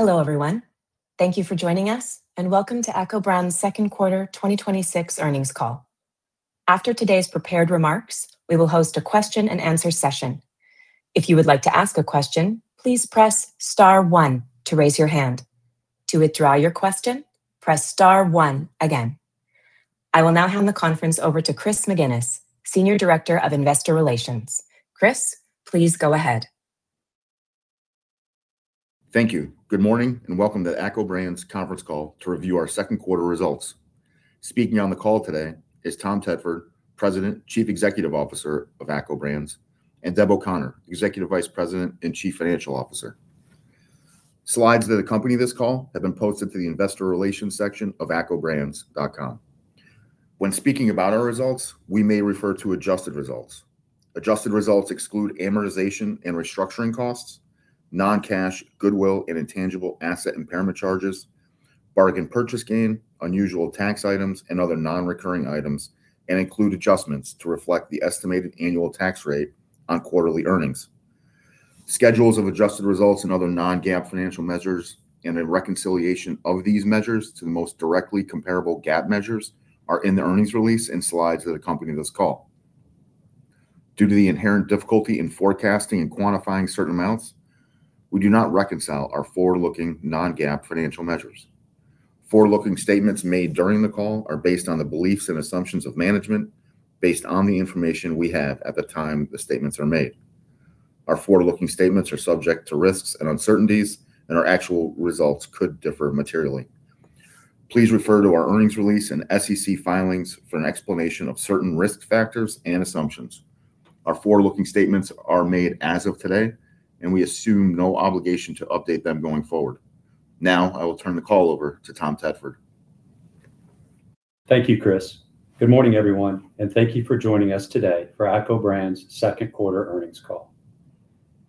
Hello, everyone. Thank you for joining us, welcome to ACCO Brands' second quarter 2026 earnings call. After today's prepared remarks, we will host a question and answer session. If you would like to ask a question, please press star one to raise your hand. To withdraw your question, press star one again. I will now hand the conference over to Chris McGinnis, Senior Director of Investor Relations. Chris, please go ahead. Thank you. Good morning, welcome to ACCO Brands' conference call to review our second quarter results. Speaking on the call today is Tom Tedford, President, Chief Executive Officer of ACCO Brands, Deb O'Connor, Executive Vice President and Chief Financial Officer. Slides that accompany this call have been posted to the investor relations section of accobrands.com. When speaking about our results, we may refer to adjusted results. Adjusted results exclude amortization and restructuring costs, non-cash goodwill and intangible asset impairment charges, bargain purchase gain, unusual tax items, include adjustments to reflect the estimated annual tax rate on quarterly earnings. Schedules of adjusted results and other Non-GAAP financial measures, a reconciliation of these measures to the most directly comparable GAAP measures are in the earnings release and slides that accompany this call. Due to the inherent difficulty in forecasting and quantifying certain amounts, we do not reconcile our forward-looking Non-GAAP financial measures. Forward-looking statements made during the call are based on the beliefs and assumptions of management, based on the information we have at the time the statements are made. Our forward-looking statements are subject to risks and uncertainties, our actual results could differ materially. Please refer to our earnings release and SEC filings for an explanation of certain risk factors and assumptions. Our forward-looking statements are made as of today, we assume no obligation to update them going forward. Now, I will turn the call over to Tom Tedford. Thank you, Chris. Good morning, everyone, thank you for joining us today for ACCO Brands' second quarter earnings call.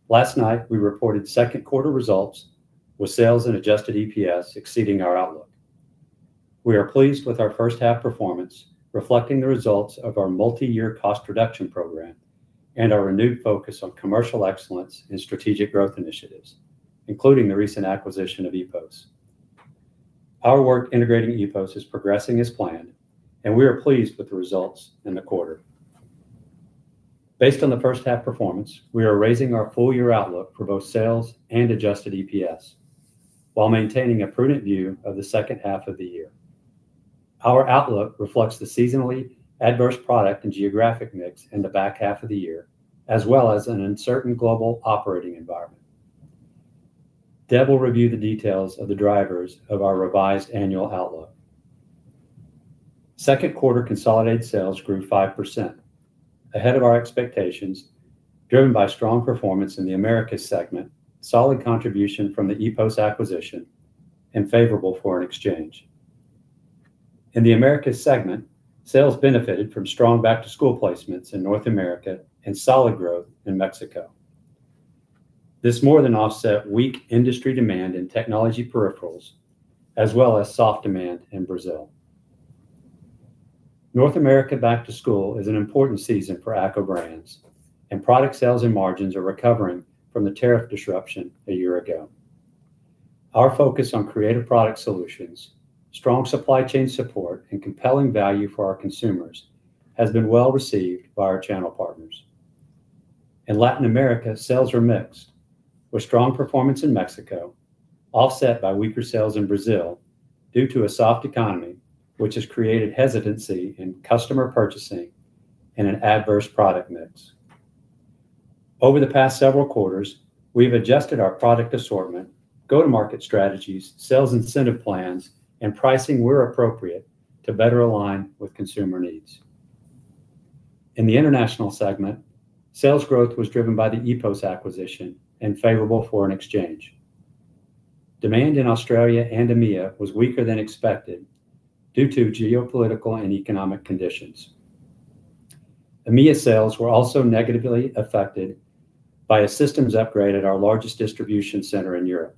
Last night, we reported second quarter results with sales and adjusted EPS exceeding our outlook. We are pleased with our first half performance, reflecting the results of our multi-year cost reduction program and our renewed focus on commercial excellence and strategic growth initiatives, including the recent acquisition of EPOS. Our work integrating EPOS is progressing as planned, we are pleased with the results in the quarter. Based on the first half performance, we are raising our full year outlook for both sales and adjusted EPS, while maintaining a prudent view of the second half of the year. Our outlook reflects the seasonally adverse product and geographic mix in the back half of the year, as well as an uncertain global operating environment. Deb will review the details of the drivers of our revised annual outlook. Second quarter consolidated sales grew 5%, ahead of our expectations, driven by strong performance in the Americas segment, solid contribution from the EPOS acquisition, and favorable foreign exchange. In the Americas segment, sales benefited from strong back-to-school placements in North America and solid growth in Mexico. This more than offset weak industry demand in technology peripherals, as well as soft demand in Brazil. North America back-to-school is an important season for ACCO Brands, and product sales and margins are recovering from the tariff disruption a year ago. Our focus on creative product solutions, strong supply chain support, and compelling value for our consumers has been well-received by our channel partners. In Latin America, sales were mixed, with strong performance in Mexico offset by weaker sales in Brazil due to a soft economy, which has created hesitancy in customer purchasing and an adverse product mix. Over the past several quarters, we've adjusted our product assortment, go-to-market strategies, sales incentive plans, and pricing where appropriate to better align with consumer needs. In the international segment, sales growth was driven by the EPOS acquisition and favorable foreign exchange. Demand in Australia and EMEA was weaker than expected due to geopolitical and economic conditions. EMEA sales were also negatively affected by a systems upgrade at our largest distribution center in Europe.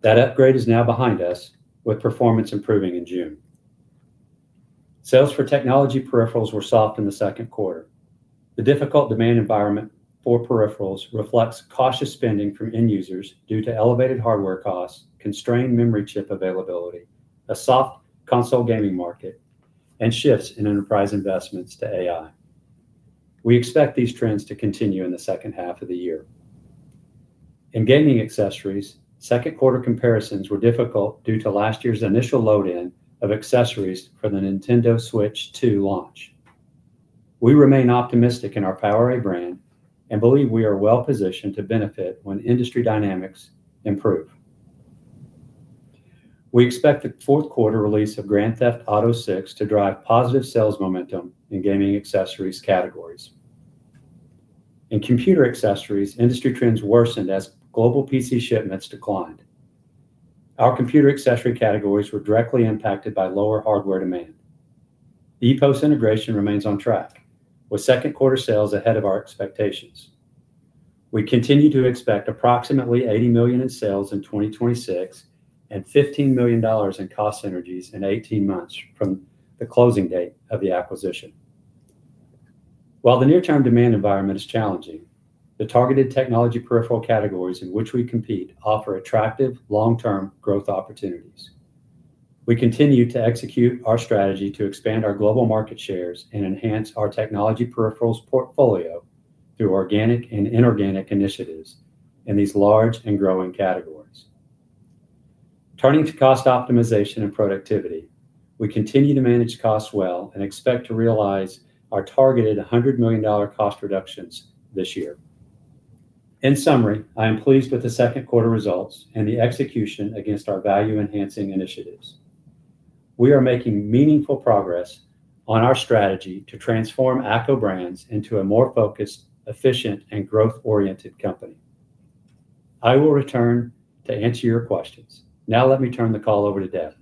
That upgrade is now behind us, with performance improving in June. Sales for technology peripherals were soft in the second quarter. The difficult demand environment for peripherals reflects cautious spending from end users due to elevated hardware costs, constrained memory chip availability, a soft console gaming market, and shifts in enterprise investments to AI. We expect these trends to continue in the second half of the year. In gaming accessories, second quarter comparisons were difficult due to last year's initial load-in of accessories for the Nintendo Switch 2 launch. We remain optimistic in our PowerA brand and believe we are well-positioned to benefit when industry dynamics improve. We expect the fourth quarter release of Grand Theft Auto VI to drive positive sales momentum in gaming accessories categories. In computer accessories, industry trends worsened as global PC shipments declined. Our computer accessory categories were directly impacted by lower hardware demand. EPOS integration remains on track, with second quarter sales ahead of our expectations. We continue to expect approximately $80 million in sales in 2026 and $15 million in cost synergies in 18 months from the closing date of the acquisition. While the near-term demand environment is challenging, the targeted technology peripheral categories in which we compete offer attractive long-term growth opportunities. We continue to execute our strategy to expand our global market shares and enhance our technology peripherals portfolio through organic and inorganic initiatives in these large and growing categories. Turning to cost optimization and productivity, we continue to manage costs well and expect to realize our targeted $100 million cost reductions this year. In summary, I am pleased with the second quarter results and the execution against our value-enhancing initiatives. We are making meaningful progress on our strategy to transform ACCO Brands into a more focused, efficient, and growth-oriented company. I will return to answer your questions. Now let me turn the call over to Deb.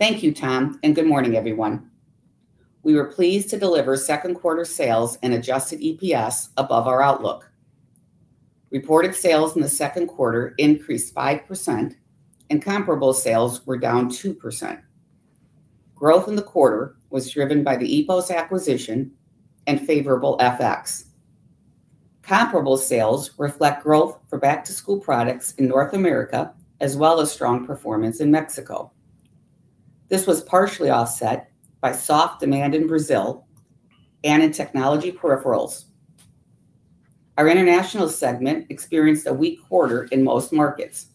Thank you, Tom, and good morning, everyone. We were pleased to deliver second quarter sales and adjusted EPS above our outlook. Reported sales in the second quarter increased 5%, and comparable sales were down 2%. Growth in the quarter was driven by the EPOS acquisition and favorable FX. Comparable sales reflect growth for back-to-school products in North America, as well as strong performance in Mexico. This was partially offset by soft demand in Brazil and in technology peripherals. Our international segment experienced a weak quarter in most markets.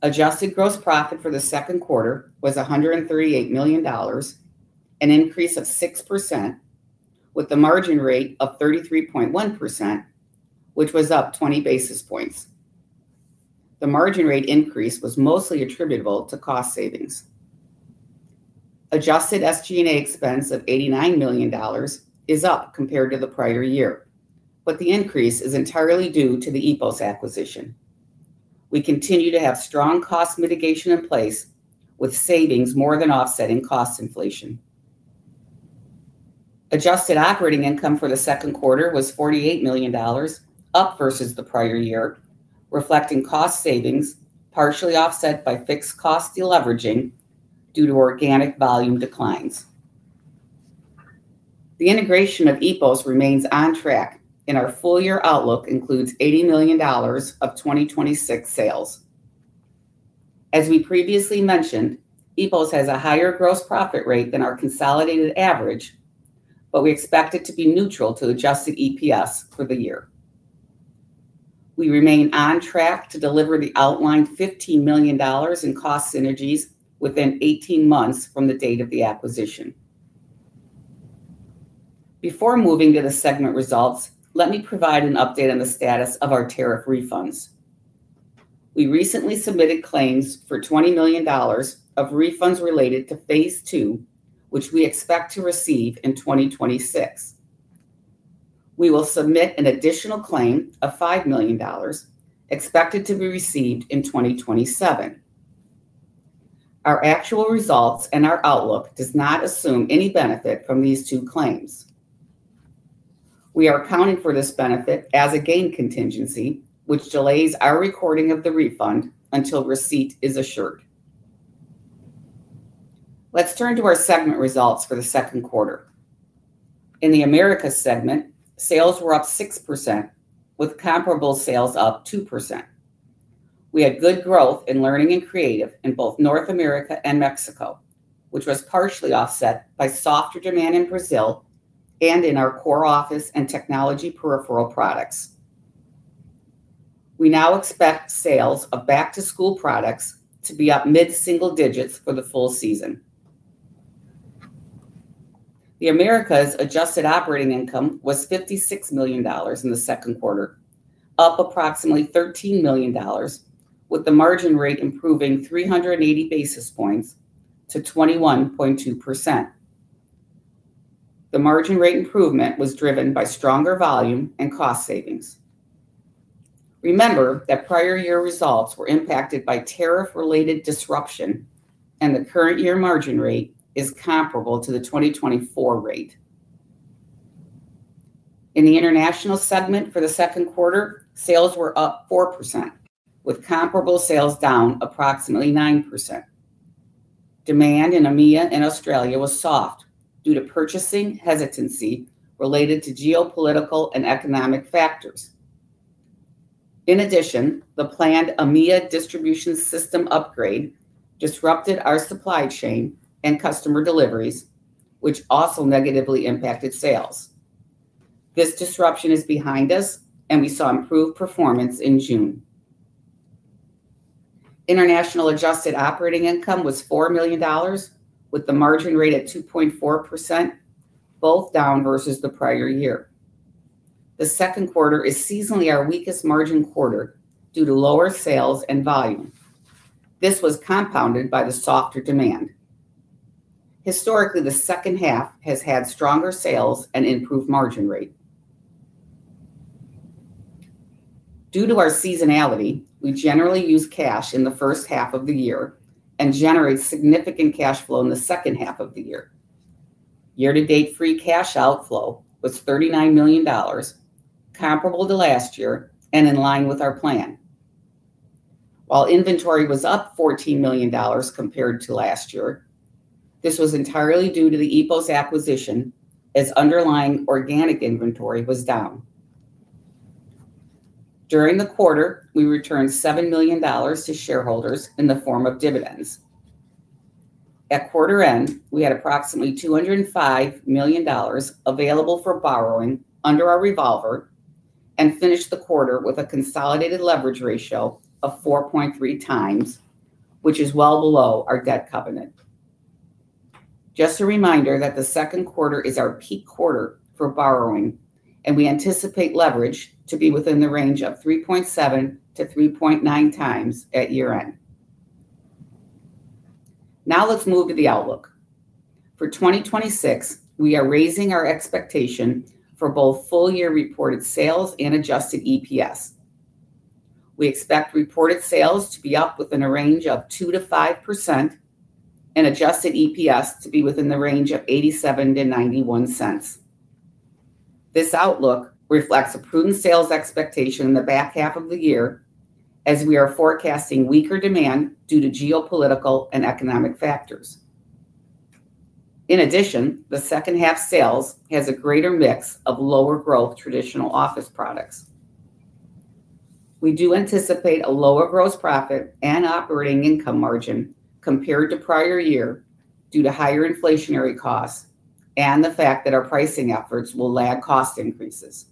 Adjusted gross profit for the second quarter was $138 million, an increase of 6%, with a margin rate of 33.1%, which was up 20 basis points. The margin rate increase was mostly attributable to cost savings. Adjusted SG&A expense of $89 million is up compared to the prior year, the increase is entirely due to the EPOS acquisition. We continue to have strong cost mitigation in place, with savings more than offsetting cost inflation. Adjusted operating income for the second quarter was $48 million, up versus the prior year, reflecting cost savings partially offset by fixed cost deleveraging due to organic volume declines. The integration of EPOS remains on track, and our full-year outlook includes $80 million of 2026 sales. As we previously mentioned, EPOS has a higher gross profit rate than our consolidated average, but we expect it to be neutral to adjusted EPS for the year. We remain on track to deliver the outlined $15 million in cost synergies within 18 months from the date of the acquisition. Before moving to the segment results, let me provide an update on the status of our tariff refunds. We recently submitted claims for $20 million of refunds related to phase II, which we expect to receive in 2026. We will submit an additional claim of $5 million, expected to be received in 2027. Our actual results and our outlook does not assume any benefit from these two claims. We are accounting for this benefit as a gain contingency, which delays our recording of the refund until receipt is assured. Let's turn to our segment results for the second quarter. In the Americas segment, sales were up 6%, with comparable sales up 2%. We had good growth in learning and creative in both North America and Mexico, which was partially offset by softer demand in Brazil and in our core office and technology peripheral products. We now expect sales of back-to-school products to be up mid-single digits for the full season. The Americas adjusted operating income was $56 million in the second quarter, up approximately $13 million, with the margin rate improving 380 basis points to 21.2%. The margin rate improvement was driven by stronger volume and cost savings. Remember that prior year results were impacted by tariff-related disruption, and the current year margin rate is comparable to the 2024 rate. In the international segment for the second quarter, sales were up 4%, with comparable sales down approximately 9%. Demand in EMEA and Australia was soft due to purchasing hesitancy related to geopolitical and economic factors. In addition, the planned EMEA distribution system upgrade disrupted our supply chain and customer deliveries, which also negatively impacted sales. This disruption is behind us, and we saw improved performance in June. International adjusted operating income was $4 million, with the margin rate at 2.4%, both down versus the prior year. The second quarter is seasonally our weakest margin quarter due to lower sales and volume. This was compounded by the softer demand. Historically, the second half has had stronger sales and improved margin rate. Due to our seasonality, we generally use cash in the first half of the year and generate significant cash flow in the second half of the year. Year-to-date free cash outflow was $39 million, comparable to last year and in line with our plan. While inventory was up $14 million compared to last year, this was entirely due to the EPOS acquisition, as underlying organic inventory was down. During the quarter, we returned $7 million to shareholders in the form of dividends. At quarter end, we had approximately $205 million available for borrowing under our revolver, and finished the quarter with a consolidated leverage ratio of 4.3x, which is well below our debt covenant. Just a reminder that the second quarter is our peak quarter for borrowing, and we anticipate leverage to be within the range of 3.7x-3.9x at year-end. Now let's move to the outlook. For 2026, we are raising our expectation for both full-year reported sales and adjusted EPS. We expect reported sales to be up within a range of 2%-5%, and adjusted EPS to be within the range of $0.87-$0.91. This outlook reflects a prudent sales expectation in the back half of the year, as we are forecasting weaker demand due to geopolitical and economic factors. In addition, the second half sales has a greater mix of lower growth traditional office products. We do anticipate a lower gross profit and operating income margin compared to prior year due to higher inflationary costs and the fact that our pricing efforts will lag cost increases.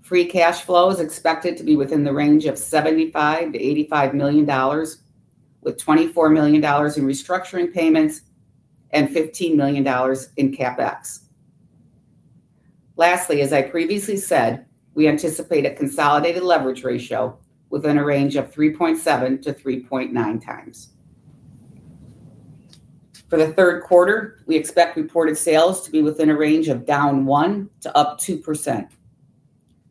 Free cash flow is expected to be within the range of $75 million-$85 million, with $24 million in restructuring payments and $15 million in CapEx. Lastly, as I previously said, we anticipate a consolidated leverage ratio within a range of 3.7x-3.9x. For the third quarter, we expect reported sales to be within a range of -1% to +2%.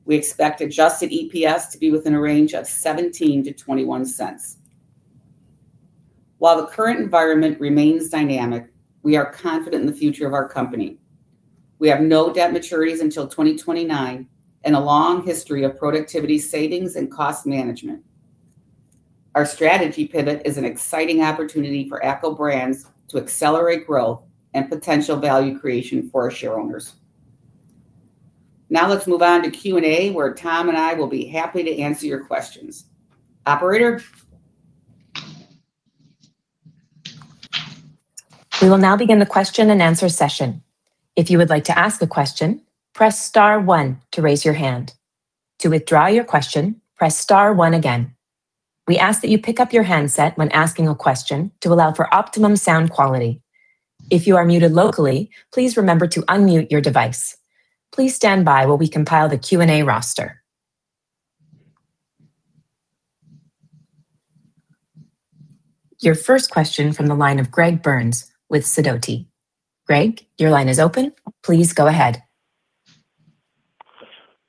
We expect adjusted EPS to be within a range of $0.17-$0.21. While the current environment remains dynamic, we are confident in the future of our company. We have no debt maturities until 2029 and a long history of productivity savings and cost management. Our strategy pivot is an exciting opportunity for ACCO Brands to accelerate growth and potential value creation for our shareowners. Now let's move on to question-and-answer, where Tom and I will be happy to answer your questions. Operator? We will now begin the question and answer session. If you would like to ask a question, press star one to raise your hand. To withdraw your question, press star one again. We ask that you pick up your handset when asking a question to allow for optimum sound quality. If you are muted locally, please remember to unmute your device. Please stand by while we compile the question-and-answer roster. Your first question from the line of Greg Burns with Sidoti. Greg, your line is open. Please go ahead.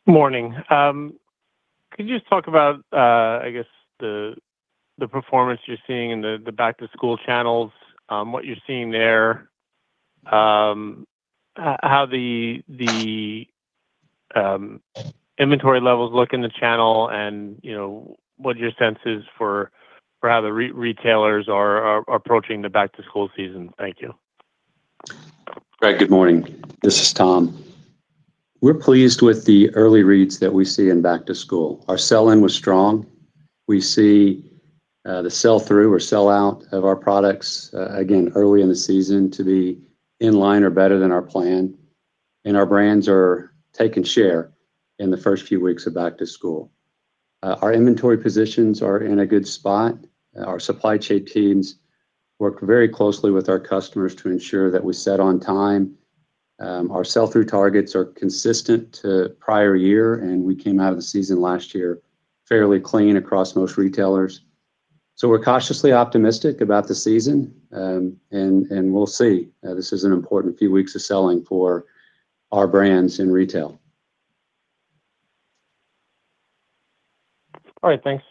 Morning. Could you just talk about, I guess the performance you're seeing in the back-to-school channels, what you're seeing there, how the inventory levels look in the channel, and what your sense is for how the retailers are approaching the back-to-school season? Thank you. Greg, good morning. This is Tom. We're pleased with the early reads that we see in back to school. Our sell-in was strong. We see the sell-through or sell-out of our products, again, early in the season to be in line or better than our plan. Our brands are taking share in the first few weeks of back to school. Our inventory positions are in a good spot. Our supply chain teams work very closely with our customers to ensure that we're set on time. Our sell-through targets are consistent to prior year, and we came out of the season last year fairly clean across most retailers. We're cautiously optimistic about the season. We'll see. This is an important few weeks of selling for our brands in retail. All right, thanks.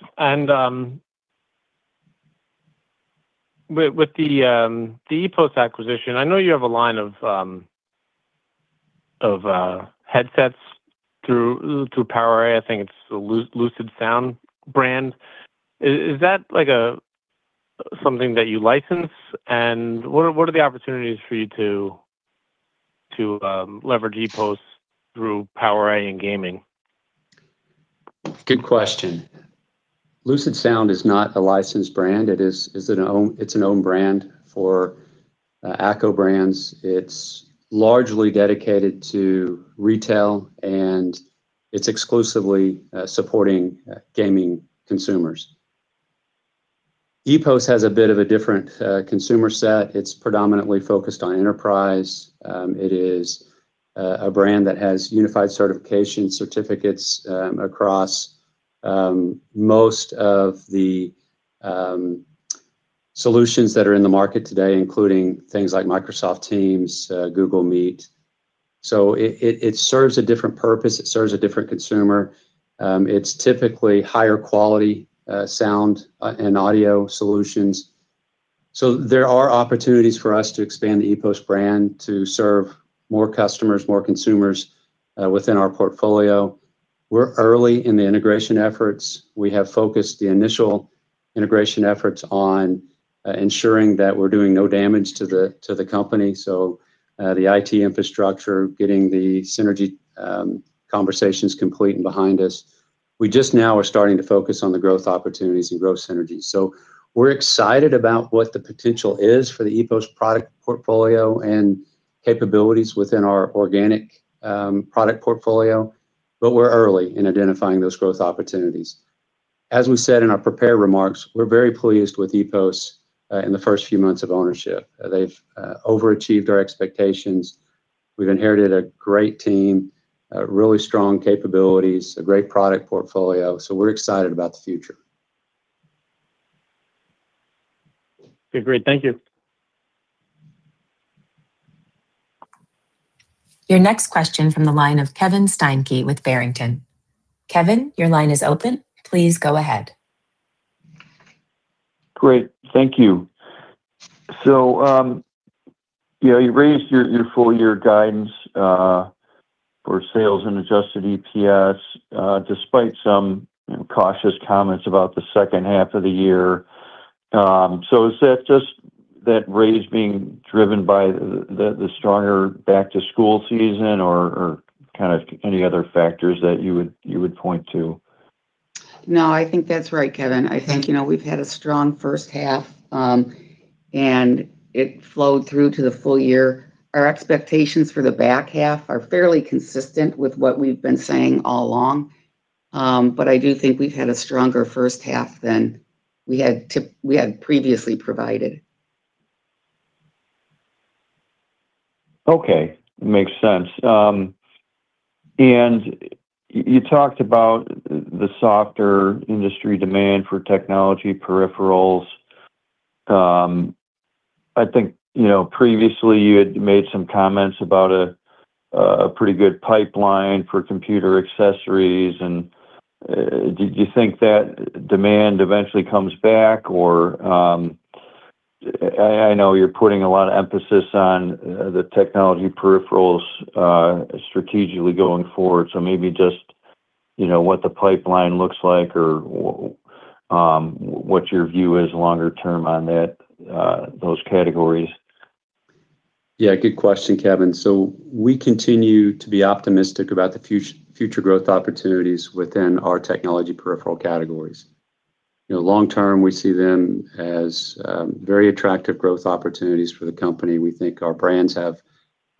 With the EPOS acquisition, I know you have a line of headsets through PowerA. I think it's the LucidSound brand. Is that something that you license? What are the opportunities for you to leverage EPOS through PowerA in gaming? Good question. LucidSound is not a licensed brand. It's an own brand for ACCO Brands. It's largely dedicated to retail, and it's exclusively supporting gaming consumers. EPOS has a bit of a different consumer set. It's predominantly focused on enterprise. It is a brand that has unified certification certificates across most of the solutions that are in the market today, including things like Microsoft Teams, Google Meet. It serves a different purpose. It serves a different consumer. It's typically higher quality sound and audio solutions There are opportunities for us to expand the EPOS brand to serve more customers, more consumers within our portfolio. We're early in the integration efforts. We have focused the initial integration efforts on ensuring that we're doing no damage to the company. The IT infrastructure, getting the synergy conversations complete and behind us. We just now are starting to focus on the growth opportunities and growth synergies. We're excited about what the potential is for the EPOS product portfolio and capabilities within our organic product portfolio. We're early in identifying those growth opportunities. As we said in our prepared remarks, we're very pleased with EPOS in the first few months of ownership. They've overachieved our expectations. We've inherited a great team, really strong capabilities, a great product portfolio. We're excited about the future. Okay, great. Thank you. Your next question from the line of Kevin Steinke with Barrington. Kevin, your line is open. Please go ahead. Great. Thank you. You raised your full-year guidance for sales and adjusted EPS, despite some cautious comments about the second half of the year. Is that just that raise being driven by the stronger back-to-school season or kind of any other factors that you would point to? No, I think that's right, Kevin. I think we've had a strong first half, and it flowed through to the full year. Our expectations for the back half are fairly consistent with what we've been saying all along. I do think we've had a stronger first half than we had previously provided. Okay. Makes sense. You talked about the softer industry demand for technology peripherals. I think previously you had made some comments about a pretty good pipeline for computer accessories. Do you think that demand eventually comes back? Or I know you're putting a lot of emphasis on the technology peripherals strategically going forward. Maybe just what the pipeline looks like or what your view is longer term on those categories. Yeah, good question, Kevin. We continue to be optimistic about the future growth opportunities within our technology peripheral categories. Long term, we see them as very attractive growth opportunities for the company. We think our brands have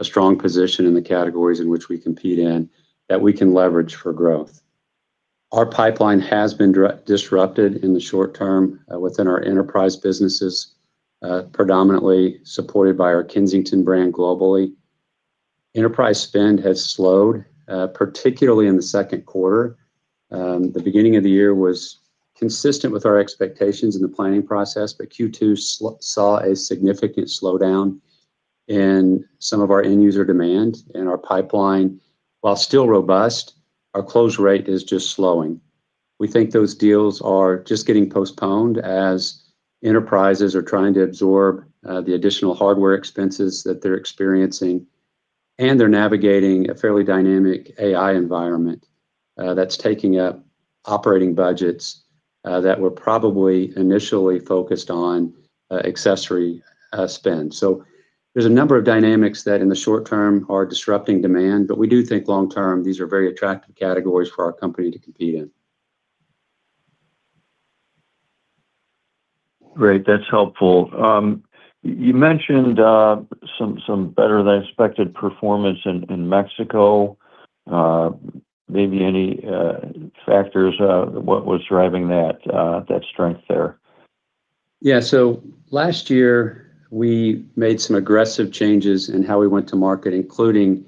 a strong position in the categories in which we compete in that we can leverage for growth. Our pipeline has been disrupted in the short term within our enterprise businesses, predominantly supported by our Kensington brand globally. Enterprise spend has slowed, particularly in the second quarter. The beginning of the year was consistent with our expectations in the planning process, Q2 saw a significant slowdown in some of our end-user demand and our pipeline. While still robust, our close rate is just slowing. We think those deals are just getting postponed as enterprises are trying to absorb the additional hardware expenses that they're experiencing, and they're navigating a fairly dynamic AI environment that's taking up operating budgets that were probably initially focused on accessory spend. There's a number of dynamics that, in the short term, are disrupting demand. We do think long term, these are very attractive categories for our company to compete in. Great. That's helpful. You mentioned some better-than-expected performance in Mexico. Maybe any factors, what was driving that strength there? Yeah. Last year we made some aggressive changes in how we went to market, including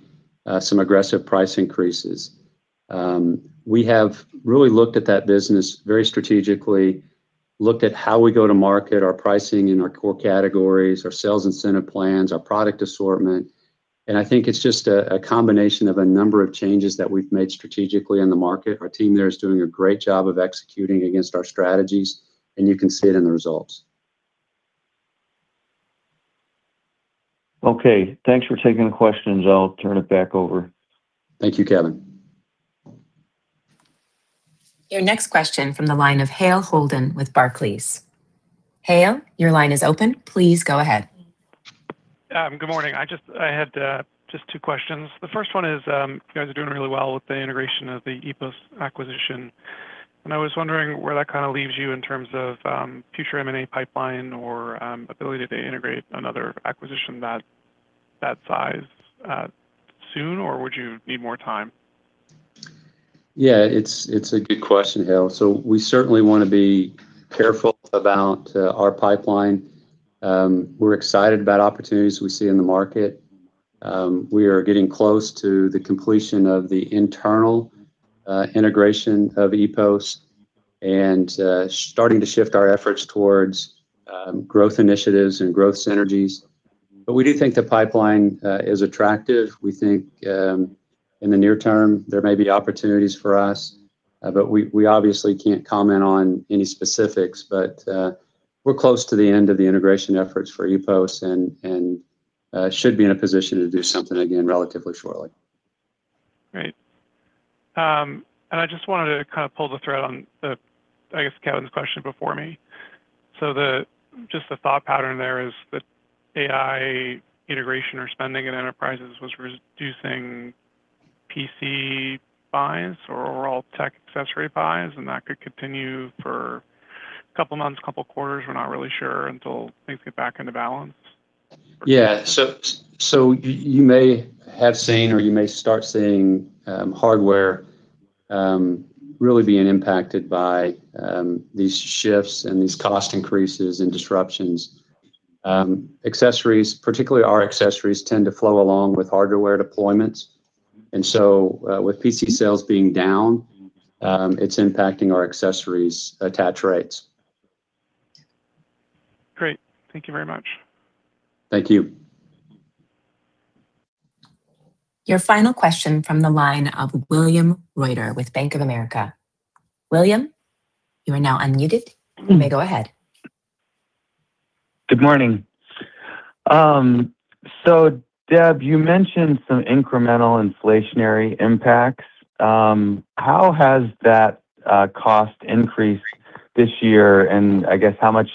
some aggressive price increases. We have really looked at that business very strategically, looked at how we go to market, our pricing in our core categories, our sales incentive plans, our product assortment. I think it's just a combination of a number of changes that we've made strategically in the market. Our team there is doing a great job of executing against our strategies. You can see it in the results. Okay. Thanks for taking the questions. I'll turn it back over. Thank you, Kevin. Your next question from the line of Hale Holden with Barclays. Hale, your line is open. Please go ahead. Good morning. I had just two questions. The first one is, you guys are doing really well with the integration of the EPOS acquisition, and I was wondering where that kind of leaves you in terms of future M&A pipeline or ability to integrate another acquisition that size soon, or would you need more time? Yeah, it's a good question, Hale. We certainly want to be careful about our pipeline. We're excited about opportunities we see in the market. We are getting close to the completion of the internal integration of EPOS and starting to shift our efforts towards growth initiatives and growth synergies. We do think the pipeline is attractive. We think in the near term, there may be opportunities for us, but we obviously can't comment on any specifics. We're close to the end of the integration efforts for EPOS and should be in a position to do something again relatively shortly. Great. I just wanted to kind of pull the thread on the, I guess, Kevin's question before me. Just the thought pattern there is that AI integration or spending in enterprises was reducing PC buys or overall tech accessory buys, and that could continue for a couple of months, a couple quarters. We're not really sure until things get back into balance. Yeah. You may have seen, or you may start seeing hardware really being impacted by these shifts and these cost increases and disruptions. Accessories, particularly our accessories, tend to flow along with hardware deployments. With PC sales being down, it's impacting our accessories attach rates. Great. Thank you very much. Thank you. Your final question from the line of William Reuter with Bank of America. William, you are now unmuted. You may go ahead. Good morning. Deb, you mentioned some incremental inflationary impacts. How has that cost increased this year, and I guess how much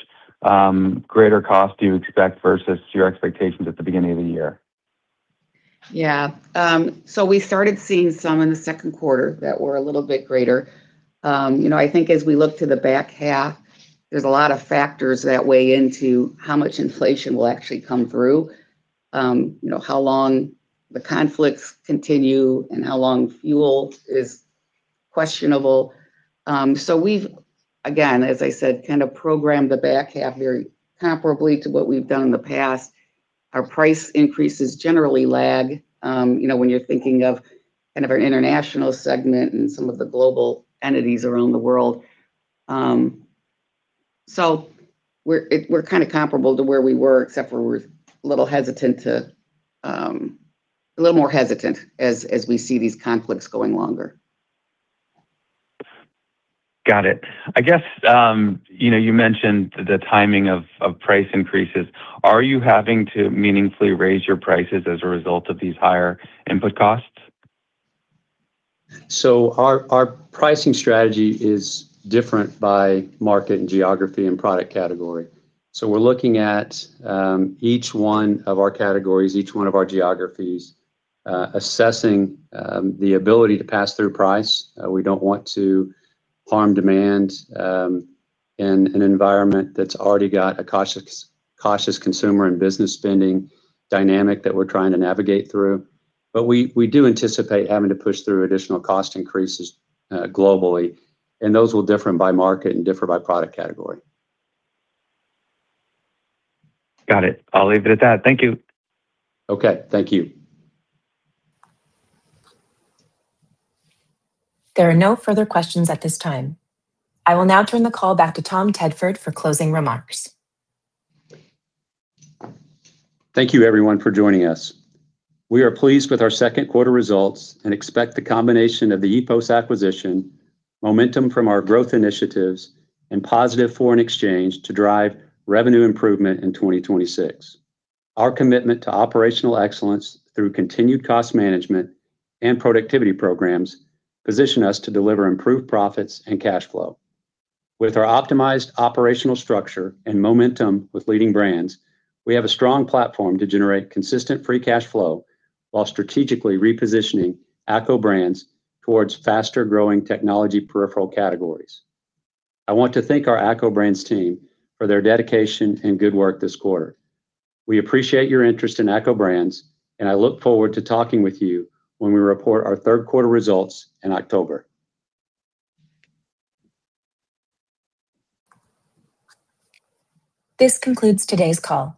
greater cost do you expect versus your expectations at the beginning of the year? Yeah. We started seeing some in the second quarter that were a little bit greater. I think as we look to the back half, there's a lot of factors that weigh into how much inflation will actually come through. How long the conflicts continue and how long fuel is questionable. We've, again, as I said, kind of programmed the back half very comparably to what we've done in the past. Our price increases generally lag, when you're thinking of kind of our international segment and some of the global entities around the world. We're kind of comparable to where we were, except for we're a little more hesitant as we see these conflicts going longer. Got it. I guess, you mentioned the timing of price increases. Are you having to meaningfully raise your prices as a result of these higher input costs? Our pricing strategy is different by market and geography and product category. We're looking at each one of our categories, each one of our geographies, assessing the ability to pass through price. We don't want to harm demand in an environment that's already got a cautious consumer and business spending dynamic that we're trying to navigate through. We do anticipate having to push through additional cost increases globally, and those will differ by market and differ by product category. Got it. I'll leave it at that. Thank you. Okay. Thank you. There are no further questions at this time. I will now turn the call back to Tom Tedford for closing remarks. Thank you, everyone, for joining us. We are pleased with our second quarter results and expect the combination of the EPOS acquisition, momentum from our growth initiatives, and positive foreign exchange to drive revenue improvement in 2026. Our commitment to operational excellence through continued cost management and productivity programs position us to deliver improved profits and cash flow. With our optimized operational structure and momentum with leading brands, we have a strong platform to generate consistent free cash flow while strategically repositioning ACCO Brands towards faster-growing technology peripheral categories. I want to thank our ACCO Brands team for their dedication and good work this quarter. We appreciate your interest in ACCO Brands, and I look forward to talking with you when we report our third quarter results in October. This concludes today's call